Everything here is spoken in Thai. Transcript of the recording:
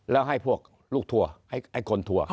แล้วให้พวกลูกทัวร์ให้คนทัวร์